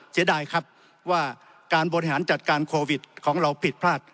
เสียดายครับว่าการบริหารจัดการโควิดของเราผิดพลาด